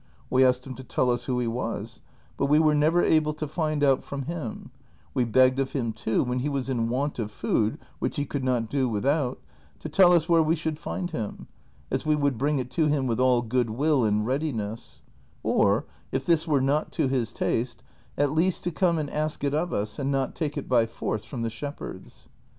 We asked him to tell us who he was, but we were never able to find out from him : we begged of him too, when he was in want of food, which he could not do without, to tell us where we should hnd him, as we would bring it to him with all good will and readi ness ; or if this were not to his taste, at least to come and ask it of us and not take it by force from the shepherds.